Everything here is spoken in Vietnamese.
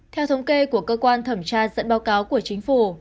theo thống kê của cơ quan thẩm tra dẫn báo cáo của chính phủ